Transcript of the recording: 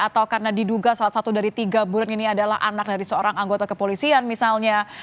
atau karena diduga salah satu dari tiga burun ini adalah anak dari seorang anggota kepolisian misalnya